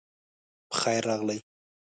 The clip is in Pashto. پخير راغلئ